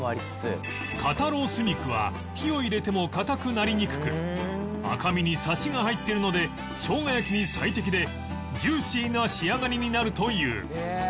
肩ロース肉は火を入れても硬くなりにくく赤みにサシが入っているので生姜焼きに最適でジューシーな仕上がりになるという